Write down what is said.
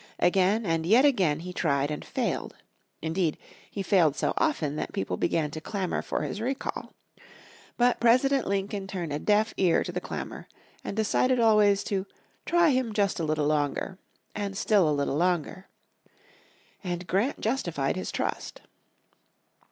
Again and yet again he tried and failed. Indeed he failed so often that people began to clamour for his recall. But President Lincoln turned a deaf ear to the clamour and decided always to "try him a little longer" and still a little longer. And Grant justified his trust.